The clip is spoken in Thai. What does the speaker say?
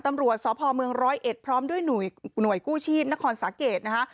ตำรวจสพเมืองร้อยเอ็ดพร้อมด้วยหน่วยกู้ชีพนครสาเกตนะคะ